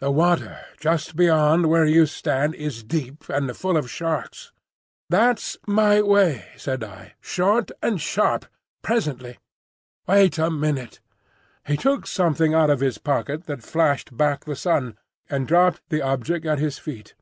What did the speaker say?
"The water just beyond where you stand is deep—and full of sharks." "That's my way," said I. "Short and sharp. Presently." "Wait a minute." He took something out of his pocket that flashed back the sun, and dropped the object at his feet.